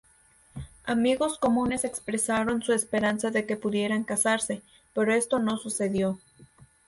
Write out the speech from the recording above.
Amigos comunes expresaron su esperanza de que pudieran casarse, pero esto no sucedió.